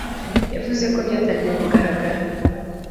yavuze ko byatangiye kugaragara